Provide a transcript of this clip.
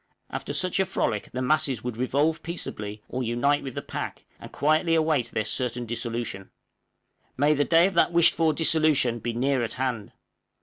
After such a frolic the masses would revolve peaceably or unite with the pack, and await quietly their certain dissolution; may the day of that wished for dissolution be near at hand!